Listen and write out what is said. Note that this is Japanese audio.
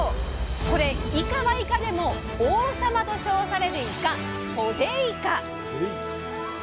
これイカはイカでも王様と称されるイカ「ソデイカ」。